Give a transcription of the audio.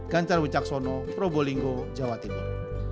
ganjar wicaksono probolinggo jawa timur